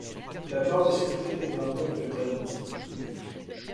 La borne est sculptée dans un bloc de granit.